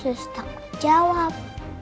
sus takut jawab